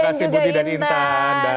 terima kasih budi dan intan